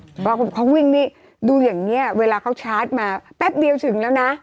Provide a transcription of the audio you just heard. เพราะเขาวิ่งนี่ดูอย่างเงี้ยเวลาเขาชาร์จมาแป๊บเดียวถึงแล้วนะ